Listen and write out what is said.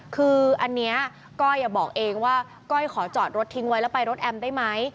คืออันนี้ก้อยบอกเองว่าก้อยขอจอดรถทิ้งไว้แล้วไปรถแอมได้ไหม